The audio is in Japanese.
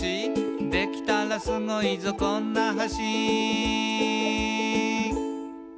「できたらスゴいぞこんな橋」